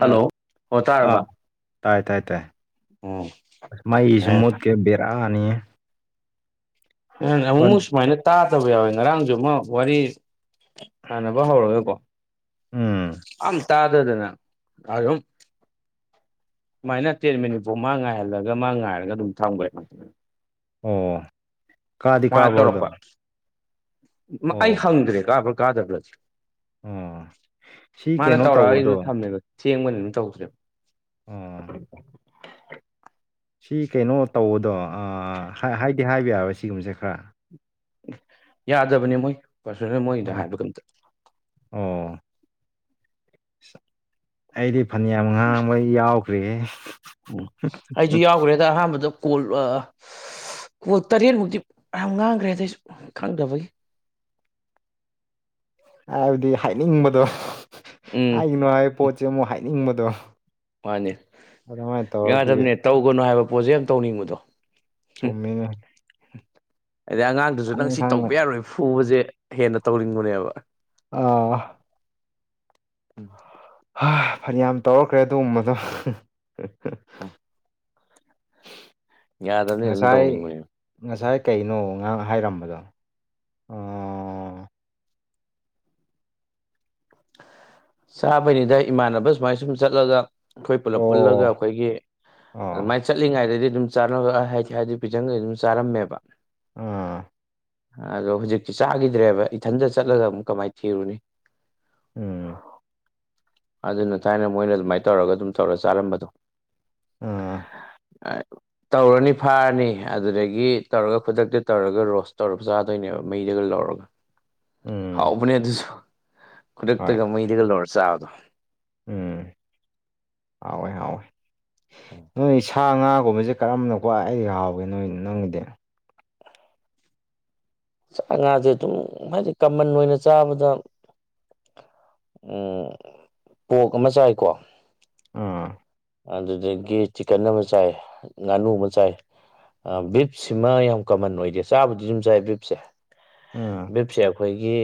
ꯎꯝ ꯑꯣ ꯑ ꯇꯥꯔꯕ ꯇꯥꯏ ꯇꯥꯏ ꯇꯥꯏ ꯎꯝ ꯃꯥꯏ ꯌꯥꯏ ꯁꯦꯃꯨ ꯕꯦꯔꯥꯅꯤ ꯅ ꯑꯃꯨꯛꯃꯨꯛ ꯁꯨꯃꯥꯏꯅ ꯇꯥꯗꯕ ꯌꯥꯎꯋꯦ ꯉꯔꯥꯡꯁꯨ ꯑꯃ ꯋꯥꯔꯤ ꯁꯥꯟꯅꯕ ꯍꯧꯔꯒꯦꯀꯣ ꯎꯝ ꯑ ꯇꯥꯗꯗꯅꯝ ꯁꯨꯃꯥꯏꯅ ꯇꯦꯟꯠ ꯃꯅꯤꯄꯨꯔ ꯃꯥ ꯉꯥꯏꯍꯜꯂꯒ ꯃꯥ ꯉꯥꯏꯔꯒ ꯑꯗꯨꯝ ꯊꯝꯈꯣꯏ ꯑꯣ ꯀꯥꯗꯤ ꯃꯥꯅ ꯀꯥꯕ꯭ꯔꯣꯗ ꯇꯧꯔꯛꯄ ꯑꯩ ꯍꯪꯗ꯭ꯔꯦ ꯀꯥꯕ꯭ꯔꯥ ꯀꯥꯗꯕ꯭ꯔꯥꯗꯤ ꯑꯣ ꯁꯤ ꯃꯥꯅ ꯀꯩꯅꯣ ꯇꯧꯔ ꯑꯩꯁꯨ ꯇꯧꯕꯗꯣ ꯊꯝꯃꯦꯕ ꯊꯦꯡꯕꯅꯤ ꯑꯗꯨꯝ ꯇꯧꯁꯦꯕ ꯑꯣ ꯁꯤ ꯀꯩꯅꯣ ꯇꯧꯕꯗꯣ ꯍꯥꯏꯗꯤ ꯍꯥꯏꯕ ꯌꯥꯔꯣꯏ ꯁꯤꯒꯨꯝꯕꯁꯦ ꯈꯔ ꯌꯥꯗꯕꯅꯦ ꯃꯣꯏ ꯄꯥꯔꯁꯣꯅꯦꯜ ꯃꯣꯏꯗ ꯑꯣ ꯍꯥꯏꯕꯒꯝꯇ ꯑꯣ ꯑꯩꯗꯤ ꯐꯅꯌꯥꯝ ꯉꯥꯡꯕ ꯌꯥꯎꯈ꯭ꯔꯦ ꯎꯝ ꯑꯩꯁꯨ ꯌꯥꯎꯈ꯭ꯔꯦꯗ ꯑꯍꯥꯟꯕꯗꯣ ꯀꯣꯜ ꯀꯣꯜ ꯇꯔꯦꯠꯃꯨꯛꯇꯤ ꯌꯥꯝ ꯉꯥꯡꯈ꯭ꯔꯦ ꯑꯗꯩꯁꯨ ꯈꯪꯗꯕꯒꯤ ꯍꯥꯏꯕꯗꯤ ꯍꯥꯏꯅꯤꯡꯕꯗꯣ ꯎꯝ ꯍꯥꯏꯒꯤꯅꯣ ꯍꯥꯏꯕ ꯄꯣꯠꯁꯦ ꯑꯃꯨꯛ ꯍꯥꯏꯅꯤꯡꯕꯗꯣ ꯃꯥꯅꯤ ꯑꯗꯨꯃꯥꯏꯅ ꯇꯧꯔꯛꯄꯒꯤ ꯌꯥꯗꯕꯅꯦ ꯇꯧꯒꯅꯨ ꯍꯥꯏꯕ ꯄꯣꯠꯁꯦ ꯌꯥꯝ ꯇꯧꯅꯤꯡꯕꯗꯣ ꯆꯨꯝꯃꯤꯅꯦ ꯍꯥꯏꯗꯤ ꯑꯉꯥꯡꯗꯨꯁꯨ ꯈꯪ ꯅꯪ ꯁꯤ ꯈꯪꯅ ꯇꯧꯕ ꯌꯥꯔꯣꯏ ꯐꯨꯕꯁꯦ ꯍꯦꯟꯅ ꯇꯧꯅꯤꯡꯕꯅꯦꯕ ꯑ ꯐꯅꯌꯥꯝ ꯇꯧꯔꯛꯈ꯭ꯔꯦ ꯑꯗꯨꯒꯨꯝꯕꯗꯣ ꯌꯥꯗꯕꯅꯤ ꯑꯗꯨꯝ ꯉꯁꯥꯏ ꯇꯧꯅꯤꯡꯕꯅꯦꯕ ꯉꯁꯥꯏ ꯀꯩꯅꯣ ꯉꯍꯥꯡ ꯍꯥꯏꯔꯝꯕꯗꯣ ꯑꯣ ꯆꯥꯕꯅꯤꯗ ꯏꯃꯥꯟꯅꯕ ꯁꯨꯃꯥꯏ ꯁꯨꯝ ꯆꯠꯂꯒ ꯑꯩꯈꯣꯏ ꯄꯨꯜꯂꯞ ꯄꯨꯜꯂꯒ ꯑꯣ ꯑꯩꯈꯣꯏꯒꯤ ꯑꯣ ꯑꯗꯨꯃꯥꯏꯅ ꯆꯠꯂꯤꯉꯩꯗꯗꯤ ꯑꯗꯨꯝ ꯆꯥ ꯍꯥꯏꯗꯤ ꯍꯥꯏꯗꯤ ꯄꯤꯖꯪꯈꯗꯤ ꯑꯗꯨꯝ ꯆꯥꯔꯝꯃꯦꯕ ꯑꯥ ꯑꯗꯣ ꯍꯧꯖꯤꯛꯇꯤ ꯆꯥꯈꯤꯗ꯭ꯔꯦꯕ ꯏꯊꯟꯗ ꯆꯠꯂꯒ ꯑꯃꯨꯛ ꯀꯃꯥꯏꯅ ꯊꯤꯔꯨꯅꯤ ꯎꯝ ꯑꯗꯨꯅ ꯊꯥꯏꯅ ꯃꯣꯏꯅ ꯑꯗꯨꯃꯥꯏꯅ ꯇꯧꯔꯒ ꯑꯗꯨꯝ ꯇꯧꯔ ꯆꯥꯔꯝꯕꯗꯣ ꯑꯥ ꯇꯧꯔꯅꯤ ꯐꯥꯔꯅꯤ ꯑꯗꯨꯗꯒꯤ ꯇꯧꯔꯒ ꯈꯨꯗꯛꯇ ꯇꯧꯔꯒ ꯔꯣꯁ ꯇꯧꯔꯒ ꯆꯥꯗꯣꯏꯅꯦꯕ ꯃꯩꯗꯒ ꯂꯧꯔꯒ [inaudible] ꯎꯝ ꯍꯥꯎꯕꯅꯦ ꯑꯗꯨꯁꯨ ꯍꯣꯏ ꯈꯨꯗꯛꯇꯒ ꯃꯩꯗꯒ ꯂꯧꯔ ꯆꯥꯕꯗꯣ ꯎꯝ ꯍꯥꯎꯋꯦ ꯍꯥꯎꯋꯦ ꯅꯣꯏ ꯁꯥ ꯉꯥꯒꯨꯝꯕꯁꯦ ꯀꯔꯝꯕꯅꯀꯣ ꯑꯩꯗꯤ ꯍꯥꯎꯒꯦ ꯅꯣꯏ ꯅꯪꯒꯤꯗꯤ ꯉꯥꯁꯦ ꯑꯗꯨꯝ ꯍꯥꯏꯗꯤ ꯀꯃꯟ ꯑꯣꯏꯅ ꯆꯥꯕꯗ ꯎꯝ ꯄꯣꯛ ꯑꯃ ꯆꯥꯏꯀꯣ ꯑꯥ ꯑꯗꯨꯗꯒꯤ ꯆꯤꯛꯀꯟ ꯑꯃ ꯆꯥꯏ ꯉꯥꯅꯨ ꯑꯃ ꯆꯥꯏ ꯕꯤꯞꯁꯤꯃ ꯌꯥꯝ ꯀꯃꯟ ꯑꯣꯏꯗꯦ ꯆꯥꯕꯨꯗꯤ ꯑꯗꯨꯝ ꯆꯥꯏ ꯕꯤꯞꯁꯦ ꯎꯝ ꯕꯤꯞꯁꯦ ꯑꯩꯈꯣꯏꯒꯤ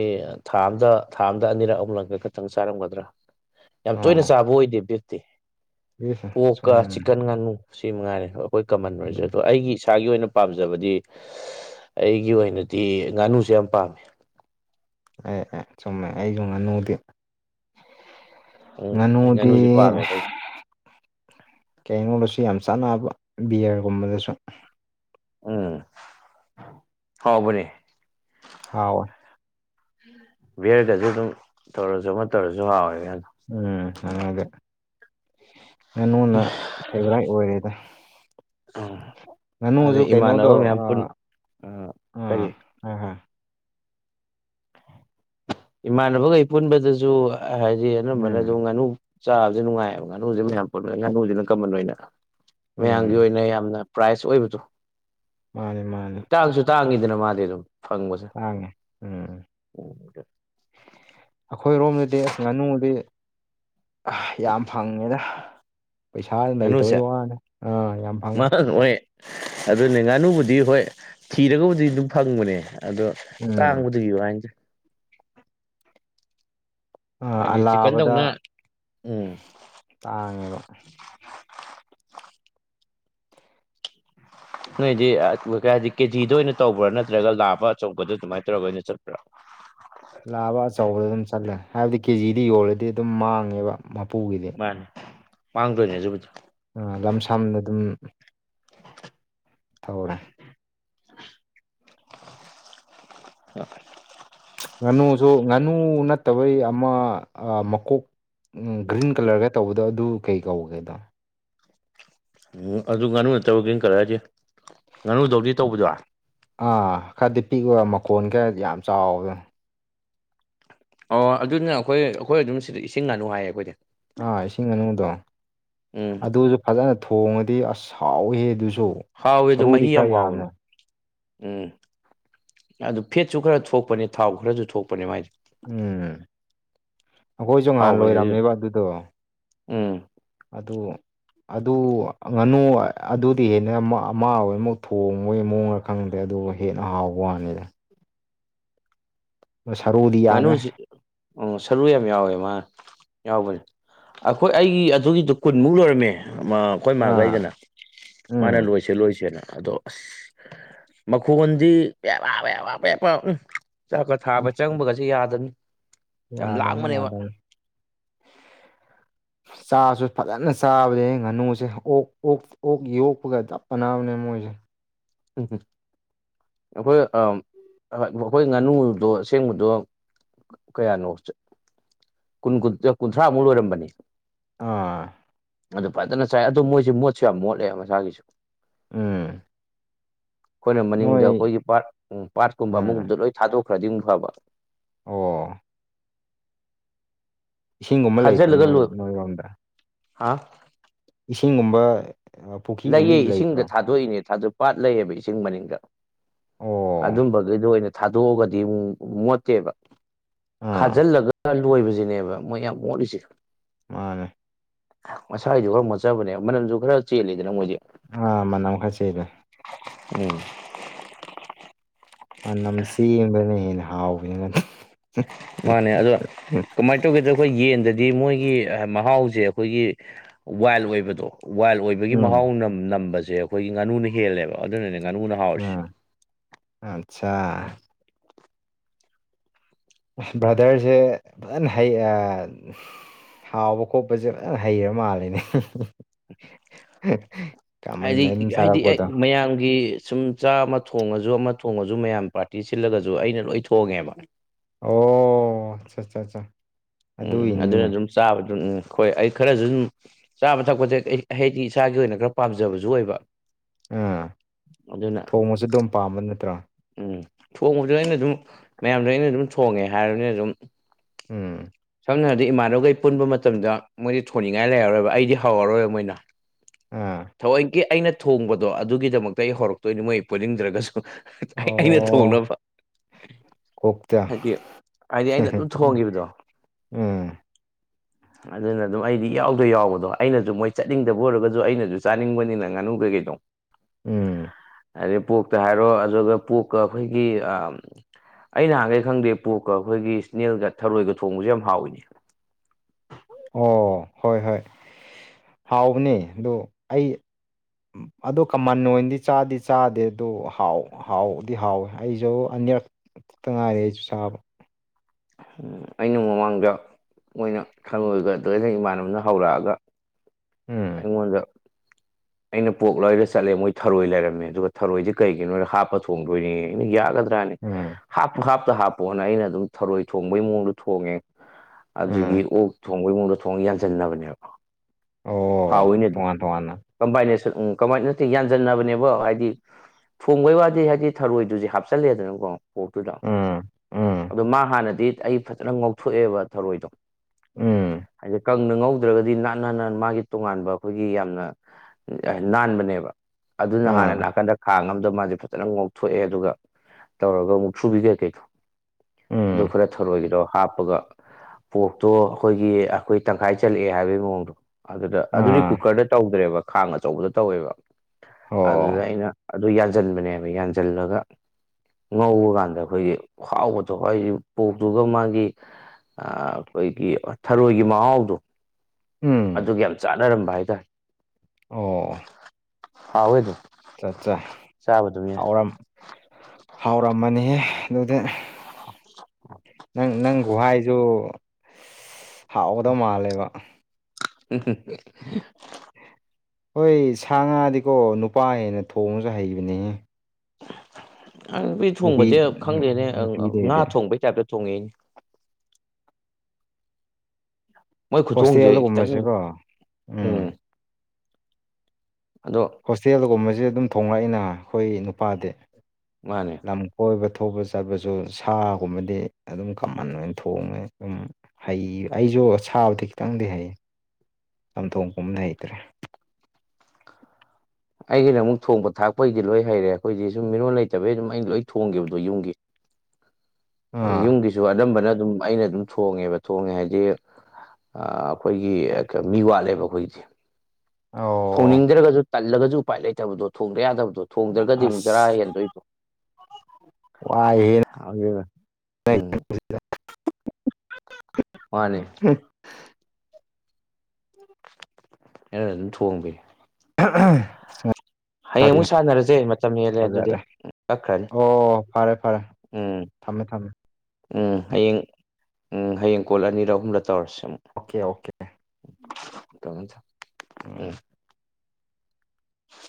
ꯊꯥ ꯑꯝꯗ ꯊꯥ ꯑꯝꯗ ꯑꯅꯤꯔꯛ ꯑꯍꯨꯝꯂꯛꯇ ꯈꯛꯇꯪ ꯆꯥꯔꯝꯒꯗ꯭ꯔꯥ ꯌꯥꯝ ꯇꯣꯏꯅ ꯑꯣ ꯆꯥꯕ ꯑꯣꯏꯗꯦ ꯕꯤꯞ ꯏꯁ ꯄꯣꯛꯀ ꯁꯨꯝ ꯆꯤꯛꯀꯟ ꯉꯥꯅꯨ ꯁꯤ ꯃꯉꯥꯏꯔꯦ ꯑꯩꯈꯣꯏ ꯀꯃꯟ ꯑꯣꯏꯔꯤꯁꯦ ꯑꯗꯣ ꯑꯩꯒꯤ ꯏꯁꯥꯒꯤ ꯑꯣꯏꯅ ꯄꯥꯝꯖꯕꯗꯤ ꯑꯩꯒꯤ ꯑꯣꯏꯅꯗꯤ ꯉꯥꯅꯨꯁꯦ ꯌꯥꯝ ꯄꯥꯝꯃꯦ ꯑꯦ ꯑꯦ ꯆꯨꯝꯃꯦ ꯑꯩ ꯁꯨ ꯉꯥꯅꯨꯗꯤ ꯎꯝ ꯑꯩ ꯉꯅꯨꯗꯤ ꯉꯥꯅꯨꯁꯦ ꯄꯥꯝꯃꯦꯕ ꯑꯩ ꯀꯩꯅꯣꯒꯁꯨ ꯌꯥꯝ ꯆꯥꯟꯅꯕ ꯕꯤꯌꯔꯒꯨꯝꯕꯗꯁꯨ ꯎꯝ ꯍꯥꯎꯕꯅꯦ ꯍꯥꯎ ꯋꯦ [unintelligible] ꯕꯦꯔꯒꯁꯨ ꯑꯗꯨꯝ ꯇꯧꯔꯁꯨ ꯑꯃ ꯇꯧꯔꯁꯨ ꯍꯥꯎꯋꯦꯅ ꯎꯝ ꯑꯗꯨꯗꯤ ꯉꯅꯨꯅ ꯐꯦꯚꯔꯥꯏꯠ ꯑꯣꯏꯔꯦꯗ ꯑ ꯉꯥꯅꯨꯁꯨ ꯑꯗꯩ ꯀꯩꯅꯣꯗꯣ ꯏꯃꯥꯟꯅꯕ ꯃꯌꯥꯝ ꯄꯨꯟ ꯑ ꯀꯔꯤ ꯍꯣꯏꯍꯣꯏ ꯏꯃꯥꯟꯅꯕꯈꯩ ꯄꯨꯟꯕꯗꯁꯨ ꯍꯥꯏꯗꯤ ꯑꯅꯝꯕꯅ ꯎꯝ ꯑꯗꯨꯝ ꯉꯥꯅꯨ ꯆꯥꯕꯁꯦ ꯅꯨꯡꯉꯥꯏꯌꯦꯕ ꯉꯥꯅꯨꯁꯦ ꯃꯌꯥꯝ ꯄꯣꯟꯕꯗ ꯉꯥꯅꯨꯁꯤꯅ ꯀꯃꯟ ꯑꯣꯏꯅ ꯃꯌꯥꯝꯒꯤ ꯎꯝ ꯑꯣꯏꯅ ꯌꯥꯝꯅ ꯄ꯭ꯔꯥꯏꯖ ꯑꯣꯏꯕꯗꯣ ꯃꯥꯅꯦ ꯃꯥꯅꯦ ꯇꯥꯡꯁꯨ ꯇꯥꯡꯉꯤꯗꯅ ꯃꯥꯗꯤ ꯑꯗꯨꯝ ꯐꯪꯕꯁꯦ ꯇꯥꯡꯉꯦ ꯎꯝ [unintelligible] ꯑꯩꯈꯣꯏꯔꯣꯝꯗꯗꯤ ꯑꯁ ꯉꯥꯅꯨꯗꯤ ꯌꯥꯝ ꯐꯪꯉꯦꯗ ꯄꯩꯁꯥ ꯉꯥꯅꯨꯁꯦ ꯂꯩꯇꯕꯩ ꯋꯥꯅꯤ ꯑꯥ ꯌꯥꯝ ꯐꯪꯉꯦ [unintelligible] ꯑꯗꯨꯅꯦ ꯉꯥꯅꯨꯕꯨꯗꯤ ꯍꯣꯏ ꯊꯤꯔꯒꯕꯨꯗꯤ ꯑꯗꯨꯝ ꯐꯪꯕꯅꯦ ꯑꯗꯣ ꯎꯝ ꯇꯥꯡꯕꯗꯨꯒꯤ ꯋꯅꯤꯗꯥ ꯑꯥ ꯍꯥꯏꯗꯤ ꯑꯂꯥꯕꯗ ꯆꯤꯀꯟꯗꯧꯅ ꯇꯥꯡꯉꯦꯕ ꯅꯣꯏꯗꯤ ꯑ ꯀꯩ ꯍꯥꯏꯗꯤ ꯀꯦꯖꯤꯗ ꯑꯣꯏꯅ ꯇꯧꯕ꯭ꯔꯥ ꯅꯠꯇ꯭ꯔꯒ ꯂꯥꯕ ꯑꯆꯧꯕꯗ ꯑꯗꯨꯃꯥꯏꯅ ꯇꯧꯔꯒ ꯑꯣꯏꯅ ꯆꯠꯄ꯭ꯔꯥ ꯂꯥꯕ ꯑꯆꯧꯕꯗ ꯑꯗꯨꯝ ꯆꯠꯂꯦ ꯍꯥꯏꯕꯗꯤ ꯀꯦꯖꯤꯗꯤ ꯌꯣꯜꯂꯗꯤ ꯑꯗꯨꯝ ꯃꯥꯡꯉꯦꯕ ꯃꯄꯨꯒꯤꯗꯤ ꯃꯥꯅꯦ ꯃꯥꯡꯗꯣꯏꯅꯦ ꯑꯗꯨꯕꯨꯗꯤ ꯑ ꯂꯝ ꯁꯥꯝꯗ ꯑꯗꯨꯝ ꯊꯧꯔꯦ [unintelligible] ꯉꯥꯅꯨꯁꯨ ꯉꯥꯅꯨ ꯅꯠꯇꯕꯩ ꯑꯃ ꯑ ꯃꯀꯣꯛ ꯎꯝ ꯒ꯭ꯔꯤꯟ ꯀꯂꯔꯒ ꯇꯧꯕꯗꯣ ꯑꯗꯨ ꯀꯩ ꯀꯧꯒꯦ ꯑꯗꯣ ꯑꯗꯨ ꯉꯥꯅꯨ ꯅꯠꯇꯕ ꯒ꯭ꯔꯤꯟ ꯀꯂꯔꯗꯤ ꯉꯥꯅꯨꯗꯧꯗꯤ ꯇꯧꯕꯗꯨꯔꯣ ꯑꯥ ꯈꯔꯗꯤ ꯄꯤꯛꯑꯣꯒ ꯃꯈꯣꯟ ꯈꯔꯗꯤ ꯌꯥꯝ ꯆꯥꯎꯕꯗꯣ ꯑꯣ ꯑꯗꯨꯅ ꯑꯈꯣꯏ ꯑꯈꯣꯏ ꯑꯗꯨꯝ ꯁꯤꯗ ꯏꯁꯤꯡ ꯉꯥꯅꯨ ꯍꯥꯏꯌꯦ ꯑꯈꯣꯏꯗꯤ ꯑꯥ ꯏꯁꯤꯡ ꯉꯥꯅꯨꯗꯣ ꯎꯝ ꯑꯗꯨꯖꯨ ꯐꯖꯅ ꯊꯣꯡꯉꯗꯤ ꯑꯁ ꯍꯥꯎꯋꯦꯍꯦ ꯑꯗꯨꯖꯨ ꯍꯥꯎꯋꯦ ꯑꯗꯨ ꯃꯍꯤ ꯌꯥꯝ ꯍꯥꯎꯕꯅꯤ ꯎꯝ ꯑꯗꯨ ꯐꯦꯠꯁꯨ ꯈꯔ ꯊꯣꯛꯄꯅꯦ ꯊꯥꯎ ꯈꯔꯖꯨ ꯊꯣꯛꯄꯅꯦ ꯃꯥꯏꯗꯤ ꯎꯝ ꯑꯩꯈꯣꯏꯖꯨ ꯉꯥꯍꯟ ꯍꯥꯎꯕꯅꯦ ꯑꯗꯨ ꯂꯣꯏꯔꯝꯃꯦꯕ ꯑꯗꯨꯗꯣ ꯎꯝ ꯑꯗꯨ ꯑꯗꯨ ꯉꯥꯅꯨ ꯑꯗꯨꯗꯤ ꯍꯦꯟꯅ ꯃ ꯑꯃ ꯑꯣꯏꯃꯨꯛ ꯊꯣꯡꯉꯣꯏ ꯃꯑꯣꯡꯗ ꯈꯪꯗ꯭ꯔꯦ ꯑꯗꯨꯕꯨ ꯍꯦꯟꯅ ꯍꯥꯎꯕ ꯋꯥꯅꯤꯗ ꯁꯥꯔꯨꯗꯤ ꯉꯥꯅꯨꯖꯤ ꯑ ꯁꯔꯨ ꯌꯥꯝ ꯌꯥꯎꯋꯦ ꯃꯥꯅ ꯌꯥꯎꯕꯅꯦ꯫ ꯑꯈꯣꯏ ꯑꯩꯒꯤ ꯑꯗꯨꯒꯤꯗꯣ ꯀꯨꯟꯃꯨꯛ ꯂꯣꯏꯔꯝꯃꯦ꯫ ꯃ ꯑꯈꯣꯏ ꯃꯥꯒ ꯑꯥ ꯑꯩꯒꯅ ꯃꯥꯅ ꯎꯝ ꯂꯣꯏꯁꯦ ꯂꯣꯏꯁꯦꯅ ꯑꯗꯣ ꯑꯁ ꯃꯈꯣꯟꯗꯤ ꯋꯦꯋꯥꯋꯦꯋꯥ ꯄꯦꯄ ꯎꯝ ꯆꯥꯛꯀ ꯊꯥꯕ ꯆꯪꯕꯒꯖꯦ ꯌꯥꯗꯃꯤ ꯌꯥꯗꯝꯅꯤ ꯌꯥꯗꯝ ꯆꯥꯖꯨ ꯐꯖꯟꯅ ꯆꯥꯕꯅꯦꯍꯦ ꯉꯥꯅꯨꯖꯦ ꯑꯣꯛ-ꯑꯣꯛ ꯑꯣꯛ ꯌꯣꯛꯄꯒ ꯆꯞ ꯃꯅꯕꯅꯦ ꯃꯣꯏꯖꯦ꯫ [unintelligible] ꯑꯈꯣꯏ ꯑꯝ ꯑꯍꯣꯏ ꯋ ꯑꯈꯣꯏ ꯉꯥꯅꯨꯗꯣ ꯑꯁꯦꯡꯕꯗꯣ ꯀꯌꯥꯅꯣ ꯆ ꯀꯨꯟ-ꯀꯨꯟ ꯇꯨꯌꯦꯞ ꯀꯨꯟꯊ꯭ꯔꯃꯨꯛ ꯂꯣꯏꯔꯝꯕꯅꯦ꯫ ꯑ ꯑꯗꯨ ꯐꯖꯟꯅ ꯆꯥꯏ ꯑꯗꯨ ꯃꯣꯏꯖꯦ ꯃꯣꯠꯁꯨ ꯌꯥꯝ ꯃꯣꯠꯂꯦ ꯃꯁꯥꯒꯤꯁꯨ꯫ ꯎꯝ ꯈꯣꯏꯅ ꯃꯅꯤꯡꯗ ꯅꯣꯏ ꯑꯈꯣꯏꯒꯤ ꯄꯥꯠ ꯎꯝ ꯄꯥꯠꯀꯨꯝꯕ ꯑꯥ ꯑꯃꯒꯨꯝꯕꯗ ꯂꯣꯏ ꯊꯥꯗꯣꯛꯈ꯭ꯔꯗꯤ ꯐꯕ꯫ ꯑꯣ ꯏꯁꯤꯡꯒꯨꯝꯕ ꯂꯩꯇ꯭ꯔ ꯈꯥꯖꯤꯜꯂꯒ ꯅꯣꯏ ꯂꯣꯏ ꯅꯣꯏꯔꯣꯝꯗ꯫ ꯍꯥ ꯏꯁꯤꯡꯒꯨꯝꯕ ꯑ ꯄꯨꯈ꯭ꯔꯤꯒꯨꯝꯕ ꯂꯩꯌꯦ ꯂꯩꯇ꯭ꯔꯣ ꯏꯁꯤꯡꯗ ꯊꯥꯗꯣꯛꯏꯅꯦ ꯊꯥꯗꯣꯛ ꯄꯥꯠ ꯂꯩꯌꯦꯕ ꯏꯁꯤꯡ ꯃꯅꯤꯡꯗ꯫ ꯑꯣ ꯑꯗꯨꯝꯕꯗꯩꯗ ꯑꯣꯏꯅ ꯊꯥꯗꯣꯛꯒꯗꯤ ꯃꯨꯛ ꯃꯣꯠꯇꯦꯕ ꯑꯥ ꯈꯥꯖꯥꯜꯂꯒ ꯂꯣꯏꯕꯖꯤꯅꯦꯕ ꯃꯣꯏ ꯌꯥꯝ ꯃꯣꯠꯂꯤꯖꯦ꯫ ꯃꯥꯅꯦ ꯃꯁꯥꯏꯖꯨ ꯈꯔ ꯃꯣꯠꯆꯕꯅꯦ ꯃꯅꯝꯁꯨ ꯈꯔ ꯆꯦꯜꯂꯤꯗꯅ ꯃꯣꯏꯗꯤ꯫ ꯑ ꯃꯅꯝ ꯈꯔ ꯆꯦꯜꯕ ꯎꯝ ꯑꯅꯝ ꯆꯦꯟꯕꯅ ꯍꯦꯟꯅ ꯍꯥꯎꯕꯅꯤꯅ ꯃꯥꯅꯦ ꯑꯗꯣ ꯀꯃꯥꯏ ꯇꯧꯒꯦꯗ ꯈꯣꯏ ꯌꯦꯟꯗꯗꯤ ꯃꯣꯏꯒꯤ ꯑꯍ ꯃꯍꯥꯎꯖꯦ ꯑꯈꯣꯏꯒꯤ ꯋꯥꯏꯜ ꯑꯣꯏꯕꯗꯣ ꯋꯥꯏꯜ ꯑꯣꯏ ꯗꯒꯤ ꯎꯝ ꯃꯍꯥꯎ ꯅꯝ-ꯅꯝꯕꯖꯦ ꯑꯈꯣꯏꯒꯤ ꯉꯥꯅꯨꯅ ꯍꯦꯜꯂꯦꯕ ꯑꯗꯨꯅꯅꯦ ꯉꯥꯅꯨꯅ ꯍꯥꯎꯔꯤꯁꯦ ꯎꯝ ꯑꯆꯥ ꯕ꯭ꯔꯥꯗꯔꯁꯦ ꯐꯖꯅ ꯍꯩ ꯍꯥꯎꯕ ꯈꯣꯠꯄꯁꯦ ꯐꯖ ꯍꯩꯔ ꯃꯥꯜꯂꯦꯅꯦ ꯀꯃꯟꯅ ꯑꯥꯏꯗꯤꯛ ꯑꯗꯨꯝ ꯍꯥꯏꯗꯤ ꯑꯦꯛ ꯆꯥꯔꯛꯄꯗꯣ ꯃꯌꯥꯝꯒꯤ ꯁꯨꯝ ꯆꯥꯛ ꯑꯃ ꯊꯣꯡꯉꯖꯨ ꯑꯃ ꯊꯣꯡꯉꯖꯨ ꯃꯌꯥꯝ ꯄꯥꯔꯇꯤ ꯁꯤꯜꯂꯒꯖꯨ ꯑꯩꯅ ꯂꯣꯏ ꯊꯣꯡꯉꯦꯕ ꯑꯣ ꯑꯆꯥ ꯑꯆꯥ ꯑꯆꯥ ꯎꯝ ꯑꯗꯨꯅ ꯑꯗꯨꯝ ꯆꯥꯕꯗꯨꯝ ꯎꯝ ꯍꯣꯏ ꯑꯩ ꯈꯔꯁꯨ ꯑꯗꯨꯝ ꯆꯥꯕ ꯊꯛꯄꯁꯦ ꯍꯥꯏꯗꯤ ꯏꯁꯥꯒꯤ ꯑꯣꯏꯅ ꯈꯔ ꯄꯥꯝꯖꯕꯁꯨ ꯑꯣꯏꯕ ꯎꯥ ꯑꯗꯨꯅ ꯊꯣꯡꯉꯁꯨ ꯑꯗꯨꯝ ꯄꯥꯝꯕ ꯅꯠꯇ꯭ꯔꯥ ꯎꯝ ꯊꯣꯡꯕꯗꯨꯖꯨ ꯑꯩꯅ ꯑꯗꯨꯝ ꯃꯌꯥꯝꯗ ꯑꯩꯅ ꯑꯗꯨꯝ ꯊꯣꯡꯉꯦ ꯍꯥꯏꯔꯕꯅꯤꯅ ꯑꯗꯨꯝ ꯎꯝ ꯁꯝꯅ ꯍꯥꯏꯔꯗꯤ ꯏꯃꯥꯟꯅꯕꯒꯩ ꯄꯨꯟꯕ ꯃꯇꯝꯗ ꯃꯣꯏꯗꯤ ꯊꯣꯡꯅꯤꯡꯉꯥꯏ ꯂꯩꯔꯔꯣꯏꯕ ꯑꯩꯗꯤ ꯍꯧꯔꯔꯣꯏꯕ ꯃꯣꯏꯅ ꯑꯥ ꯊꯑꯣꯏꯒꯤ ꯑꯩꯅ ꯊꯣꯡꯕꯗꯣ ꯑꯗꯨꯒꯤꯗꯃꯛꯇ ꯑꯩ ꯍꯧꯔꯛꯇꯣꯏꯅꯤ ꯃꯣꯏ ꯄꯨꯅꯤꯡꯗ꯭ꯔꯒꯁꯨ ꯑꯩꯅ ꯑꯣ ꯊꯣꯡꯅꯕ ꯀꯣꯛꯇ ꯍꯥꯏꯗꯤ ꯍꯥꯏꯗꯤ ꯑꯩꯅ ꯑꯗꯨꯝ ꯊꯣꯡꯈꯤꯕꯗꯣ ꯎꯝ ꯑꯗꯨꯅ ꯑꯗꯨꯝ ꯑꯩꯗꯤ ꯏꯌꯥꯎꯗ ꯌꯥꯎꯕꯗꯣ ꯑꯩꯅꯖꯨ ꯃꯣꯏ ꯆꯠꯅꯤꯡꯗꯕ ꯑꯣꯏꯔꯒꯖꯨ ꯑꯩꯅꯖꯨ ꯆꯥꯅꯤꯡꯕꯅꯤꯅ ꯉꯥꯅꯨ ꯀꯩꯀꯩꯗꯣ ꯎꯝ ꯍꯥꯏꯗꯤ ꯄꯣꯛꯇ ꯍꯥꯏꯔꯣ ꯑꯗꯨꯒ ꯄꯣꯛꯀ ꯑꯩꯈꯣꯏꯒꯤ ꯑꯩ ꯅꯍꯥꯟꯒꯩ ꯈꯪꯗꯦ ꯄ꯭ꯔꯣꯛꯀ ꯑꯩꯈꯣꯏꯒꯤ ꯏꯁꯅꯦꯜꯒ ꯊꯔꯣꯏꯒ ꯊꯣꯡꯕꯖꯦ ꯌꯥꯝ ꯍꯥꯎꯋꯤꯅꯦ ꯑꯣ ꯍꯣꯏ ꯍꯣꯏ ꯍꯥꯎꯕꯅꯤ ꯑꯗꯨ ꯑꯩ ꯑꯗꯨ ꯀꯃꯟ ꯑꯣꯏꯅꯗꯤ ꯆꯥꯗꯤ ꯆꯥꯗꯦ ꯑꯗꯨ ꯍꯥꯎ ꯍꯥꯎꯗꯤ ꯍꯥꯎꯋꯦ ꯑꯩꯁꯨ ꯑꯅꯤꯔꯛ ꯈꯛꯇ ꯉꯥꯏꯔꯦ ꯑꯩꯁꯨ ꯁꯥꯕ ꯑꯩꯅ ꯃꯃꯥꯡꯗ ꯃꯣꯏꯅ ꯈꯪꯉꯣꯏꯒ ꯑꯗꯨꯗꯩꯗ ꯏꯃꯥꯟꯅꯕꯅ ꯍꯧꯔꯛꯑꯒ ꯎꯝ ꯑꯩꯃꯣꯟꯗ ꯑꯩꯅ ꯄ꯭ꯔꯣꯛ ꯂꯣꯏꯔ ꯆꯠꯂꯦ ꯃꯣꯏ ꯊꯔꯣꯏ ꯂꯩꯔꯝꯃꯦ ꯑꯗꯨꯒ ꯊꯔꯣꯏꯖꯦ ꯀꯩꯒꯤꯅꯣꯗ ꯍꯥꯞꯄ ꯊꯣꯡꯗꯣꯏꯅꯦꯌꯦ ꯑꯩꯅ ꯌꯥꯒꯗ꯭ꯔꯥ ꯇꯥꯅꯤ ꯎꯝ ꯍꯥꯞꯄꯨ ꯍꯥꯞꯇ ꯍꯥꯞꯄꯨꯅ ꯑꯩꯅ ꯑꯗꯨꯝ ꯊꯔꯣꯏ ꯊꯣꯡꯕꯩ ꯃꯑꯣꯡꯗ ꯊꯣꯡꯉꯦ ꯑꯗꯨꯗꯒꯤ ꯎꯝ ꯑꯣꯛ ꯊꯣꯡꯕꯩ ꯃꯑꯣꯡꯗ ꯊꯣꯡ ꯌꯥꯟꯁꯤꯟꯅꯕꯅꯦꯕ ꯑꯣ ꯍꯥꯎꯋꯤꯅꯦ ꯑꯗꯨ ꯇꯣꯉꯥꯟ ꯇꯣꯉꯥꯟꯅ ꯀꯝꯕꯥꯏꯅꯦꯁꯟ ꯎꯝ ꯀꯝꯕꯥꯏꯟ ꯅꯠꯇꯦ ꯌꯥꯟꯖꯟꯅꯕꯅꯦꯕ ꯍꯥꯏꯗꯤ ꯊꯣꯡꯕꯩ ꯋꯥꯗꯤ ꯍꯥꯏꯗꯤ ꯊꯔꯣꯏꯗꯨꯗꯤ ꯍꯥꯞꯆꯜꯂꯦꯗꯅꯀꯣ ꯄ꯭ꯔꯣꯛꯇꯨꯗ ꯎꯝ ꯎꯝ ꯑꯗꯣ ꯃꯥ ꯍꯥꯟꯅꯗꯤ ꯑꯩ ꯐꯖꯅ ꯉꯧꯊꯣꯛꯑꯦꯕ ꯊꯧꯔꯣꯏꯗꯣ ꯎꯝ ꯍꯥꯏꯗꯤ ꯀꯪꯅ ꯉꯧꯗ꯭ꯔꯒꯗꯤ ꯅꯥꯟ ꯅꯥꯟꯅꯥꯟ ꯃꯥꯒꯤ ꯇꯣꯉꯥꯟꯕ ꯑꯈꯣꯏꯒꯤ ꯌꯥꯝꯅ ꯅꯥꯟꯕꯅꯦꯕ ꯑꯗꯨꯅ ꯍꯥꯟꯅ ꯑꯥ ꯅꯥꯀꯥꯟꯗ ꯈꯥꯡ ꯑꯝꯗ ꯃꯥꯖꯦ ꯐꯖꯅ ꯉꯣꯛꯊꯣꯛꯑꯦ ꯑꯗꯨꯒ ꯇꯧꯔꯒ ꯃꯨꯛꯊ꯭ꯔꯨꯕꯤ ꯀꯩꯀꯣꯗꯣ ꯑꯗꯨ ꯎꯝ ꯈꯔ ꯊꯧꯔꯣꯏꯒꯤꯗꯣ ꯍꯥꯞꯄꯒ ꯄꯣꯛꯇꯣ ꯑꯈꯣꯏꯒꯤ ꯑꯈꯣꯏ ꯇꯪꯈꯥꯏ ꯆꯠꯂꯛꯑꯦ ꯍꯥꯏꯕꯒꯤ ꯃꯑꯣꯡꯗꯣ ꯑꯗꯨꯗ ꯑꯗꯨꯗꯤ ꯀꯨꯛ ꯑꯥ ꯀꯨꯀꯔꯗ ꯇꯧꯗ꯭ꯔꯦꯕ ꯈꯥꯡ ꯑꯆꯧꯕꯗ ꯇꯧꯋꯦꯕ ꯑꯗꯨꯗ ꯑꯣ ꯑꯩꯅ ꯑꯗꯨ ꯌꯥꯟꯖꯟꯕꯅꯦꯕ ꯌꯥꯟꯖꯤꯜꯂꯒ ꯉꯧꯕ ꯀꯥꯟꯗ ꯑꯩꯈꯣꯏꯒꯤ ꯍꯥꯎꯕꯗꯣ ꯍꯥꯏꯌꯤ ꯄꯣꯛꯇꯨꯒ ꯃꯥꯒꯤ ꯑꯥ ꯑꯩꯈꯣꯏꯒꯤ ꯊꯔꯣꯏꯒꯤ ꯃꯍꯥꯎꯗꯣ ꯎꯝ ꯑꯗꯨꯒ ꯌꯥꯝ ꯆꯥꯟꯅꯔꯝꯕ ꯍꯥꯏꯇꯥꯔꯦ ꯑꯣ ꯍꯥꯎꯋꯦ ꯑꯗꯨ ꯆꯥ ꯆꯥ ꯍꯥꯎꯔꯝ ꯍꯥꯎꯔꯝꯃꯅꯤ ꯑꯗꯨꯗꯤ ꯅꯪ ꯅꯪ ꯒꯨꯍꯥꯏꯖꯨ ꯍꯥꯎꯒꯗꯧ ꯃꯥꯜꯂꯦꯕ [unintelligible] ꯍꯣꯏ ꯁꯥ ꯉꯥꯗꯤꯀꯣ ꯅꯨꯄꯥ ꯍꯦꯟꯅ ꯊꯣꯡꯉꯁꯨ ꯍꯩꯕꯅꯤꯍꯦ ꯑ ꯅꯨꯄꯤ ꯊꯣꯡꯕꯁꯦ ꯈꯪꯗꯦꯅꯦ ꯉꯥ ꯅꯨꯄꯤꯗꯩꯗꯤ ꯊꯣꯡꯕꯩ ꯇꯥꯏꯞꯇ ꯊꯣꯡꯉꯛꯏꯅꯦ ꯃꯣꯏ ꯈꯨꯊꯣꯡꯁꯦ ꯍꯣꯁꯇꯦꯜꯗ ꯈꯤꯇꯪ ꯒꯨꯝꯕꯁꯦꯀꯣ ꯎꯝ ꯑꯗꯣ ꯍꯣꯁꯇꯦꯜꯒꯨꯝꯕꯁꯦ ꯑꯗꯨꯝ ꯊꯣꯡꯂꯛꯏꯅ ꯑꯩꯈꯣꯏ ꯅꯨꯄꯥꯗꯤ ꯃꯥꯅꯦ ꯂꯝ ꯀꯣꯏꯕ ꯊꯣꯛꯄ ꯆꯠꯄꯁꯨ ꯁꯥꯒꯨꯝꯕꯗꯤ ꯑꯗꯨꯝ ꯀꯃꯟ ꯑꯣꯏꯅ ꯊꯣꯡꯉꯦ ꯑꯗꯨꯝ ꯍꯩ ꯑꯩꯁꯨ ꯁꯥꯕꯗꯤ ꯈꯤꯇꯪꯗꯤ ꯍꯩ ꯆꯝꯊꯣꯡꯒꯨꯝꯕꯗꯤ ꯍꯩꯇ꯭ꯔꯦ ꯑꯩꯒꯤꯩꯅ ꯑꯃꯨꯛ ꯊꯣꯡꯕ ꯊꯥꯛꯄꯩꯗꯤ ꯂꯣꯏ ꯍꯩꯔꯦ ꯑꯩꯈꯣꯏꯗꯤ ꯁꯨꯝ ꯃꯤꯔꯣꯟ ꯂꯩꯇꯕꯩ ꯑꯗꯨꯝ ꯑꯩꯅ ꯂꯣꯏ ꯊꯣꯡꯈꯤꯕꯗꯣ ꯌꯨꯝꯒꯤ ꯑꯗꯩ ꯑꯥ ꯌꯨꯝꯒꯤꯁꯨ ꯑꯅꯝꯕꯅ ꯑꯗꯨꯝ ꯑꯩꯅ ꯑꯗꯨꯝ ꯊꯣꯡꯉꯦꯕ ꯊꯣꯡꯉꯦ ꯍꯥꯏꯗꯤ ꯑꯥ ꯑꯩꯈꯣꯏꯒꯤ ꯀ ꯃꯤ ꯋꯥꯠꯂꯦꯕ ꯑꯩꯈꯣꯏꯒꯤꯗꯤ ꯑꯥꯎ ꯊꯣꯡꯅꯤꯡꯗ꯭ꯔꯒꯁꯨ ꯇꯜꯂꯒꯁꯨ ꯎꯄꯥꯏ ꯂꯩꯇꯕꯗꯣ ꯊꯣꯡꯗ ꯌꯥꯗꯕꯗꯣ ꯊꯣꯡꯗ꯭ꯔꯒꯗꯤ ꯑꯃꯨꯛ ꯆꯔꯥ ꯑꯁ ꯍꯦꯟꯗꯣꯏꯗꯣ ꯋꯥꯏꯍꯦ ꯗ [unintelligible] ꯎꯝ ꯃꯥꯅꯦ ꯑꯦꯅ ꯑꯗꯨꯝ ꯊꯣꯡꯕꯤ [unintelligible] [unintelligible] ꯍꯌꯦꯡ ꯑꯃꯨꯛ ꯁꯥꯟꯅꯔꯁꯦ ꯃꯇꯝ ꯍꯦꯜꯂꯦ ꯑꯗꯨꯗꯤ ꯐꯖꯔꯦ ꯀꯛꯈ꯭ꯔꯅꯤ ꯑꯣ ꯐꯔꯦ ꯐꯔꯦ ꯎꯝ ꯊꯝꯃꯦ ꯊꯝꯃꯦ ꯎꯝ ꯍꯌꯦꯡ ꯎꯝ ꯍꯌꯦꯡ ꯀꯣꯜ ꯑꯅꯤꯔ ꯑꯍꯨꯝꯔ ꯇꯧꯔꯁꯤ ꯑꯃꯨꯛ ꯑꯣꯀꯦ ꯑꯣꯀꯦ [unintelligible] ꯎꯝ